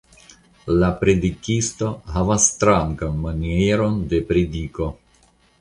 La predikisto havas strangan manieron de prediko.